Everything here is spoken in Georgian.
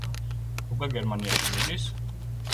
ლუკა გერმანიაში მიდის